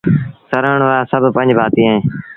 سروڻ وآرآ سڀ پنج ڀآتيٚ اوهيݩ